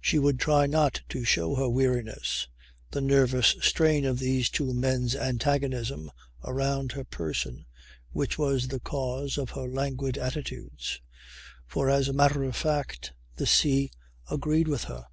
She would try not to show her weariness, the nervous strain of these two men's antagonism around her person which was the cause of her languid attitudes. For as a matter of fact the sea agreed with her.